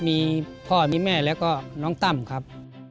มีพ่อมีแม่แล้วก็น้องตั้มครับ